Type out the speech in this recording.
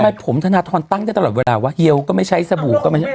ใช่ผมธนทรตั้งได้ตลอดเวลาว่าเฮียวก็ไม่ใช้สบู่ก็ไม่ใช้